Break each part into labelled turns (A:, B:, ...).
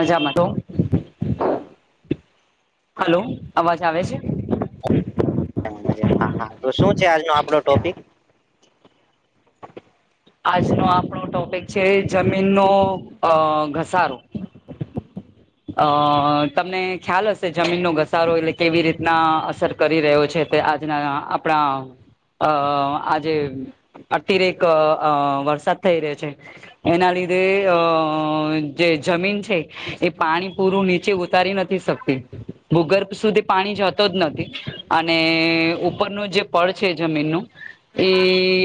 A: મજામાં તો, હલો અવાજ આવે છે?
B: તમે મજામાં હા તો, શું છે આજનો આપડો ટોપિક?
A: આજનો આપણો ટોપિક છે, જમીનનો અ.. ઘસારો અ.., તમને ખ્યાલ હશે જમીનનો ઘસારો એટલે કેવી રીતના અસર કરી રહ્યો છે, તે આજના આપણા અ, આજે અતિરેક, અ.. વરસાદ થઈ રહ્યો છે. એના લીધે અ.... જે છે, એ પાણી પૂરું નીચે ઉતારી નથી શકતી. ભૂગર્ભ સુધી પાણી જતો જ નથી અને ઉપરનું જે પળ છે જમીનનું એ,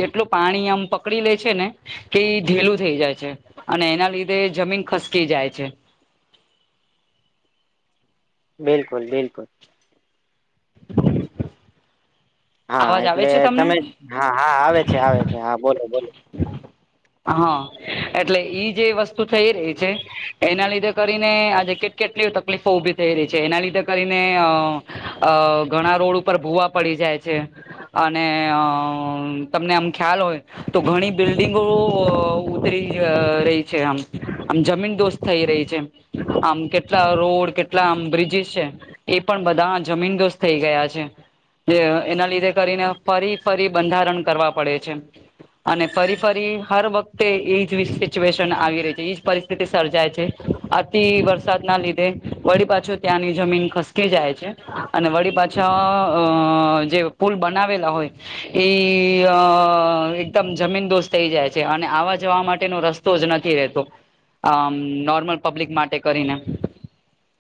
A: એટલું પાણી આમ પકડી લે છે ને કે ઢીલું થઈ જાય છે અને એના લીધે જમીન ખસકી જાય છે.
B: બિલકુલ-બિલકુલ હા,
A: અવાજ આવે
B: એટલે
A: છે તમને
B: તમે હા-હા આવે છે, આવે છે હા, બોલો-બોલો?
A: [inaudible] હા, એટલે ઈ જે વસ્તુ થઈ રહી છે, એના લીધે કરીને, આજે કે કેટલી તકલીફો ઉભી થઈ રહી છે, એના લીધે કરીને, અ... અ.. ઘણા રોડ ઉપર ભૂવા પડી જાય છે અને અમ... તમને આમ ખ્યાલ હોય. તો ઘણી બિલ્ડિંગો ઉતરી રહી છે, આમ, આમ જમીન દોસ્ત થઈ રહી છે આમ આમ કેટલા રોડ, કેટલા આમ બ્રિજીસ છે. એ પણ બધા જમીન-દોષ થઈ ગયા છે. જે એના લીધે કરીને આમ ફરી-ફરી બંધારણ કરવા પડે છે. અને ફરી-ફરી હર વખતે એજ સિચ્યુએશન આવી રહી છે, એજ પરિસ્થિતિ સર્જાય છે. અતિ વરસાદના લીધે, વળી પાછો ત્યાંની જમીન ખાસકી જાય છે. અને વળી પાછા, અ.. જે પુલ બનાવેલા હોય. એ... અ એકદમ જમીન-દોષ થઈ જાય છે અને આવા- જવા માટેનો રસ્તો જ નથી રહેતો. આમ, નોર્મલ પબ્લિક માટે કરીને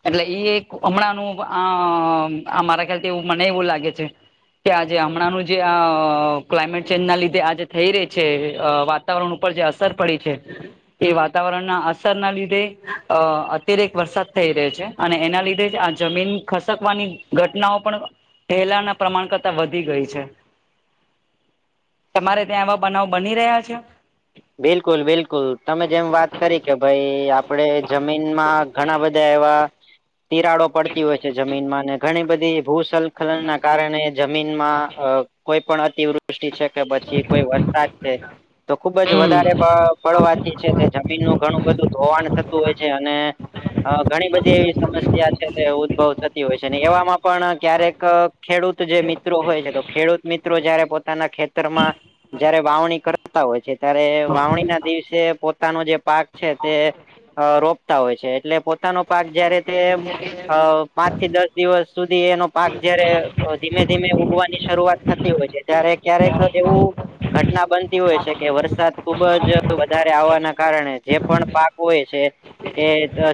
A: એટલે એક હમણાંનું અમ... મારા ખ્યાલથી મને એવું લાગે છે કે આજે હમણાંનું જે આ ક્લાઇમેટ ચેન્જના લીધે આજે થઈ રહી છે, અ વાતાવરણ ઉપર જે અસર પડી છે એ વાતાવરણના અસરના લીધે અ અત્યારેક વરસાદ થઈ રહી છે અને એના લીધે જ આ જમીન ખસકવાની ઘટનાઓ પણ પેહલાના પ્રમાણ કરતા વધી ગઈ છે. તમારે કે આના બનાવ બની રહ્યા છે.
B: બિલકુલ બિલકુલ. તમે જેમ વાત કે ભઈ આપણે જમીનમાં ઘણા બધા એવા તિરાડો પડતી હોય છે જમીનમાં ને, ઘણી બધી ભૂસંખલનના કારણે જમીનમાં અ કોઈ પણ અતિવૃત વૃષ્ટિ છે કે, પછી કોઈ વરસાદ છે. ખ જ
A: હમ
B: વધારે પ-પડવાથી છે તે જમીનનું ઘણું બધું ધોવાણ થતું હોય છે અને અ ઘણી બધી એવી સમસ્યા છે, તે ઉદ્ભવ થતી હોય ને એવામાં પણ ક્યારેક ખેડૂત જે મિત્રો હોય ને, તો ખેડૂત મિત્રો જયારે પો પોતાના ખેતરમાં જયારે વાવણી કરતા હોય છે, ત્યારે વાવણીના દિવસે પો પોતાનો જે પાક છે તે અ રોપતા હોય છે, એટલે પોતાનો પાક જયારે તે અ પાંચથી દસ દિવસ સુધી એનો પાક જયારે અ ધીમે ધીમે ઉગવાની શરૂઆત થતી હોય છે, ત્યારે ક્યારેક એવું ઘટના બનતી હોય છે કે વરસાદ ખુબ જ વધારે આવવાના કારણે, જે પણ પાક હોય છે એ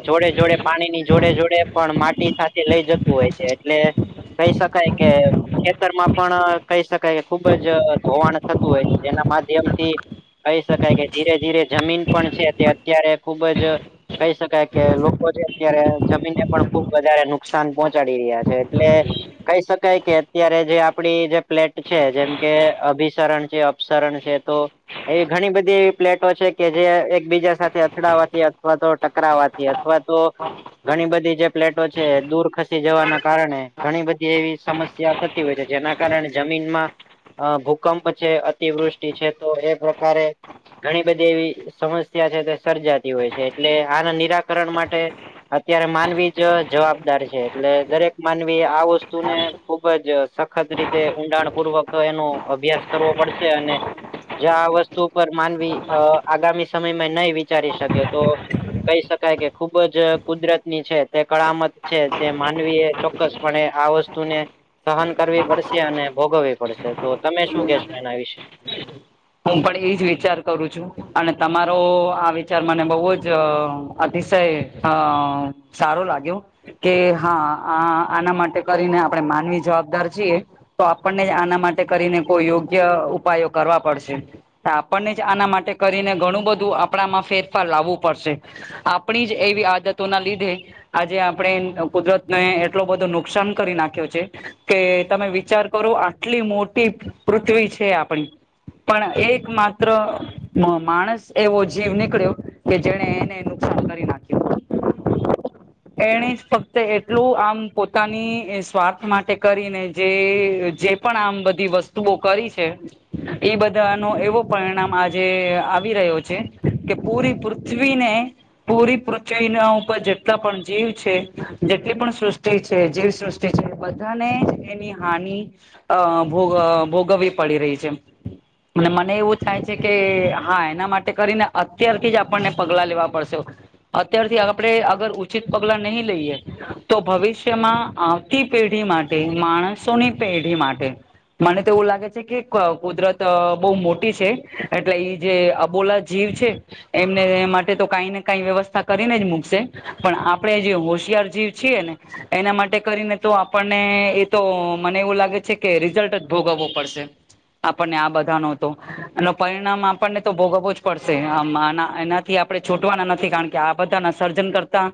B: જોડે જોડે પાણીની જોડે જોડે પણ સાથે લઈ હોય છે. એટલે કહી શકાય કે ખેતરમાં પણ કહી શકાય કે, ખુબ જ ધોવાણ થતું હોય છે. જેના માધ્યમથી કહી શકાય કે, ધીરે ધીરે જમીન પણ છે તે, અત્યારે ખુબ જ કહી શકાય કે, લોકો જે અત્યારે જમીનને પણ ખુબ વધારે નુકસાન પહોંચાડી રહ્યા છે એટલે કહી શકાય કે, અત્યારે જે આપણી જે પ્લેટ છે, જેમ કે અભિસરણ જે સરણ છે તો એવી ઘણી બધી એવી પ્લેટો છે કે, જે એક-બીજા સાથે અથડાવાથી અથવા તો ટકરાવાથી અથવા તો ઘણી બધી જે પ્લેટો છે દૂર ખસી જવાના કારણે ઘણી બધી એવી સમસ્યા થતી હોય છે, જેના કારણે જમીનમાં અ ભૂકંપ છે, અતિવૃષ્ટિ છે તો એ પ્રકારે ઘણી બધી એવી સમસ્યા છે તે સર્જાતી છે એટલે. આને નિરાકરણ માટે અત્યારે માનવી જ જવાબદાર છે એટલે દરેક માનવી આ વસ્તુને ખુબ જ સખત રીતે ઊંડાણપૂર્વક એનો અભ્યાસ કરવો પડશે અને જ્યાં આ વસ્તુ પર માનવી અ આગામી સમયમાં નહી વિચારી શકે તો કહી શકાય કે ખુબ જ કુદરતની છે તે કળામત છે તે માનવીએ ચોક કસપણે આ વસ્તુને સહન કરવી પડશે અને ભોગવવી પડશે. તો તમે શું કહેશો એના વિશે?
A: હું પણ એજ વિચાર કરું છું અને તમારો આ વિચાર મને બહુ જ અતિશય અ સારો લાગ્યો. કે હા, આ આના માટે કરીને આપણે માનવી જવાબદાર છીએ. તો આપણને આના માટે કરીને કોઈ યોગ્ય ઉપાયો કરવા પડશે. તો આપણને જ આના માટે કરીને ઘણું બધું આપણામાં ફેરફાર લાવવું પડશે. આપણી જ એવી આદતોના લીધે આજે આપડે કુદરત ને એટલો નુકસાન નાખ્યો છે કે તમે વિચાર કરો આ કેટલી મોટી પૃથ્વી છે આપડી. પણ એક માત્ર મ-માણસ એવો જીવ નીકળ્યો કે જેને એને નુકસાન કરી નાખ્યો. [inaudible] એણે જ ફક્ત એટલું આમ પોતાની સ્વાર્થ માટે કરીને જે જે પણ આમ બધી વસ્તુઓ કરી છે એ બધા નો એવો પરિણામ આજે આવી રહ્યો છે કે પૂરી પૃથ્વીને પૂરી પૃથ્વી ઉપર જેટલા પણ જીવ છે જેટલી પણ સૃષ્ટિ છે જીવ સૃષ્ટિ તે છે બધાને જ એની હાનિ અહ ભોગ અહ ભોગ ભોગવવી પડી રહી છે. અને મને એવું થાય છે કે હા એના માટે કરીને અત્યારથી જ આપણને પગલા લેવા પડશે. અત્યારથી આપડે અગર ઉચિત પગલા નહીં લઈએ તો ભવિષ્યમાં અહ થી પેઢી માટે માણસોની પેઢી માટે મને તો એવું લાગે છે કે ક કુદરત તો બહું મોટી એટલે જે અબોલા જીવ છે એમને એ માટે તો કઈ ને કઈ વ્યવસ્થા કરીને જ મુકશે પણ આપડે જે હોશિયાર જીવ છીએ ને એના માટે કરીને તો આપણને એતો મને એવું લાગે છે કે રિઝલ્ટ જ ભોગવવો પડશે. પણને આ બધાનો તો. અને પરિણામ આપણને તો ભોગવો જ પડશે આમ એનાથી આપડે છૂટવાના નથી, કારણ કે આ બધાના સર્જન કરતા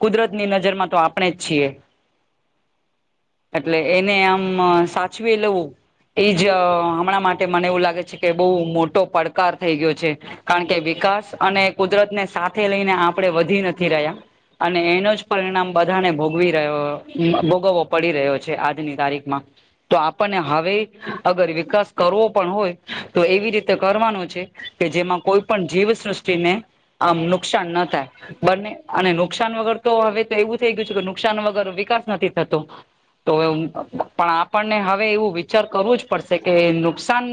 A: કુદરત ની નજર માં તો આપણે જ છીએ. એટલે એને આમ સાચવી લેવું એજ અહ હમણાં મા ટે મને એવું લાગે છે કે બહુ મોટો પડકાર થઈ ગયો છે. કારણ કે વિકાસ અને કુદરતને સાથે લઈને આપડે વધી નથી રહ્યા. અને એનો જ પરિણામ બધાને ભોગવી રહ્યો ભોગવવો પડી રહ્યો છે આજની તારીખમાં. તો આપણને હવે અગર વિકાસ કરવો પણ હોય તો એવી રીતે કરવાનો છે કે જેમાં કોઈ પણ જીવસૃષ્ટિને આમ નુકસાનના થાય. બંને અને નુકસાન વગર તો હવે તો એવું થઈ ગયું છે કે નુકસાન વગર વિકાસ નથી થતો. તો પણ આપણને હવે એવું વિચાર કરવું જ પડશે કે નું નુકસાન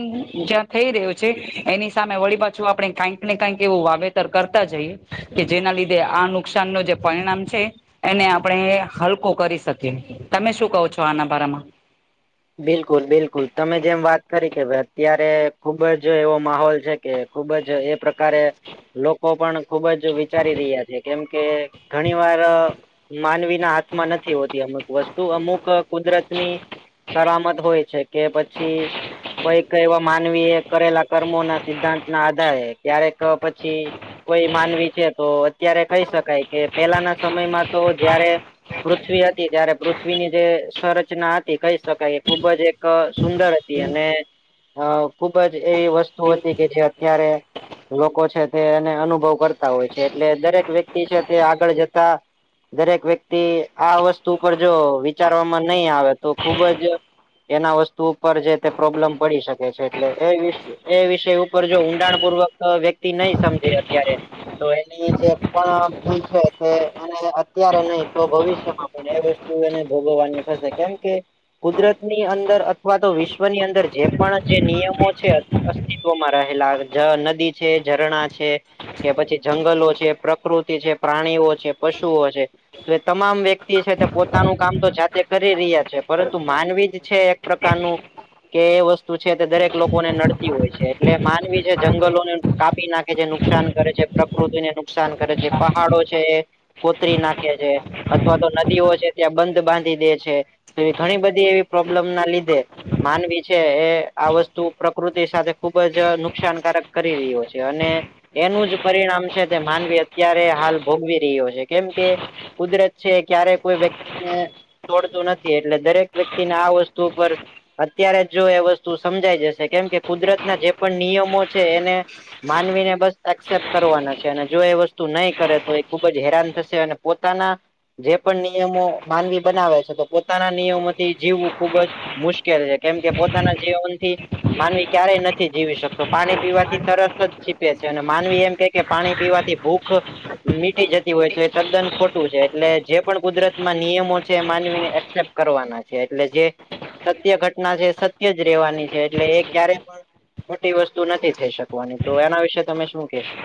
A: જ્યાં થઈ રહ્યું છે, એની સામે વળી પાછું આપડે કઈક ને કંક એવું વાવેતર કરતા જઈએ. કે જેના લીધે આ નુકસાન નું જે પરિણામ છે એને આપણે હલકો કરી શકીએ તમે શું કહો છો આના બારામાં?
B: બિલકુલ બિલકુલ તમે જેમ વાત કરી કે અત્યારે તે ખૂબ જ એવો માહોલ છે, ખૂબ જ એ પ્રકારે લોકો પણ ખૂબ જ વિચારી રહ્યા છે, કેમ કે ઘણી વાર અહ માનવીના હાથમાં નથી હોતી અમુક વસ્તુ, અમુક અહ કુદરતની સારામત હોય છે કે પછી કોઈક એવા માનવીએ કરેલા કર્મોના સિદ્ધાંતના આધારે ક્યારેક પછી કોઈ માનવી છે તો અત્યારે કહી શકાય કે પહેલાના સમયમાં તો જ્યારે પૃથ્વી હતી ત્યારે પૃથ્વીની જે સંરચના હતી, કંઈ શકાય એક ખૂબ જ સુંદર હતી અને અહ ખૂબ જ એ વસ્તુ હતી કે જે અત્યારે લોકો છે તે એને અનુભવ કરતા હોય છે. એટલે દરેક વ્યક્તિ છે એ આગળ જતા દરેક વ્યક્તિ આ વસ્તુ પર જો વિચારવામાં નહીં આવે તો ખૂબ જ એના વસ્તુ ઉપર જે તે પ્રોબ્લેમ પડી શકે છે, એટલે એ વિશ એ વિષય ઉપર જો ઊંડાણપૂર્વક વ્યક્તિ નહીં સમજે અત્યારે તો એની જે પણ ભૂલ છે, તે એને અત્યારે નહીં તો ભવિષ્યમાં પણ એવે તો એને ભોગવવાની થશે‌ કેમ કે કુદરતની અંદર અથવા તો વિશ્વની અંદર જે પણ જે નિયમો છે અસ્તિત્વમાં રહેલા ઝ નદી છે, ઝરણાં છે. કે પછી જંગલો છે, પ્રકૃતિ છે, પ્રાણીઓ છે, પશુઓ છે. તો એ તમામ વ્યક્તિ છે તે પોતાનું કામ તો જાતે કરી રહ્યા છે. પરંતુ માનવી જ છે એક પ્રકારનું કે એ વસ્તુ છે, તે દરેક લોકોને નડતી હોય છે. એટલે માનવી છે, જંગલોને કાપી નાખે છે, નુકસાન કરે છે, પ્રકૃતિને નુકસાન કરે છે. પહાડો છે એ કોતરી નાખે છે, અથવા તો નદીઓ છે ત્યાં બંધ બાંધી દે છે. તો ઘણી બધી એવી પ્રોબ્લેમના લીધે માનવી છે એ આ વસ્તુ પ્રકૃતિ સાથે ખૂબ જ નુકસાનકારક કરી રહ્યો છે અને એનું જ પરિણામ છે, તે માનવી અત્યારે હાલ ભોગવી રહ્યો છે, કેમ કે કુદરત છે ક્યારેય કોઈ વ્યક્તિને તોડતુ નથી. થી એટલે દરેક વ્યક્તિને આ વસ્તુ ઉપર અત્યારે જ જો એ વસ્તુ સમજાઈ જશે, કેમ કે કુદરતના જે પણ નિયમો છે એને માનવીને બસ એક્સેપ્ટ કરવાના છે, અને જો એ વસ્તુ નહીં કરે તો એ ખૂબ જ હેરાન થશે અને પોતાના જે પણ નિયમો માનવી બનાવે છે તો પોતાના નિયમોથી જીવવું ખૂબ જ મુશ્કેલ છે, કેમ કે પોતાના જીવનથી માનવી ક્યારેય નથી જીવી શકતો. પાણી પીવાથી તરત જ તરસ છીપે છે, અને માનવી એમ કહે કે પાણી પીવાથી ભૂખ મીટી જતી હોય તો એ તદ્દન ખોટું છે. એટલે જે પણ કુદરતમાં નિયમો છે, એ માનવીને એ ચેક કરવાના છે, એટલે જે સત્ય ઘટના છે, સત્ય જ રહેવાની છે, એટલે એ ક્યારેય પણ [unintelligible] વસ્તુ નથી થઈ શકવાની તો એના વિશે તમે શું કહેશો?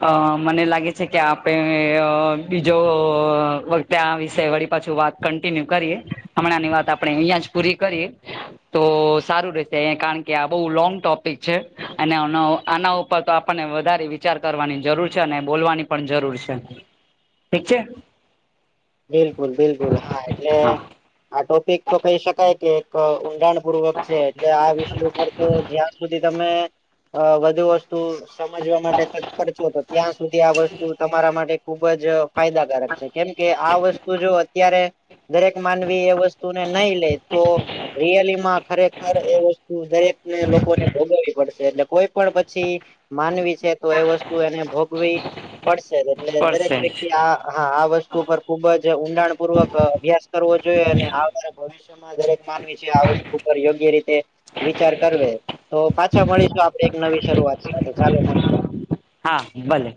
A: હા, મને લાગે છે કે આપે અ બીજું અ આ વિશે વળી પાછું વાત કંટીન્યુ કરી એ હમણાંની વાત અહીં જ પૂરી કરીએ. તો સારું રહેશે એ કારણ કે આ બહુ લોંગ ટોપિક છે અને આના [unintelligible] તો આપણને વધારે વિચાર કરવાની જરૂર છે અને બોલવાની પણ જરૂર છે, ઠીક છે?
B: બિલકુલ, બિલકુલ હા એટલે
A: હા
B: આ ટોપિક તો કહી શકાય કે એક ઊંડાણપૂર્વકનો છે, એટલે આ વિષય ઉપર તો જ્યાં સુધી તમે અ વધુ વસ્તુ સમજવા માટે તત્પર છો, તો ત્યાં સુધી આ વસ્તુ તમારા માટે ખૂબ જ ફાયદાકારક છે, કેમ કે આ વસ્તુ જો અત્યારે દરેક માનવી એ વસ્તુને નહી લે તો રિયલીમાં ખરેખર એ વસ્તુ દરેકને લોકોને ભોગવવી પડશે એટલે કોઈ પણ પછી માનવી છે તો એ વસ્તુ એને ભોગવી પડશે જ એટલે દરેક
A: પડશે
B: વ્યક્તિ આ હા આ વસ્ત વસ્તુ પર ખુબ જ ઊંડાણપૂર્વક અ અભ્યાસ કરવો જોઈએ અને આ બરાબર મા દરેક માનવી છે આ વસ્તુ ઉપર યોગ્ય રીતે વિચાર કરવે તો પાછા મળીશું આપણે એક નવી શરૂઆત સાથે ચાલો મળીએ.
A: હા ભલે.